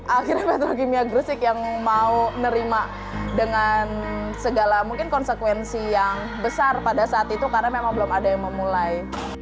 akhirnya metrokimia gresik yang mau nerima dengan segala mungkin konsekuensi yang besar pada saat itu karena memang belum ada yang memulai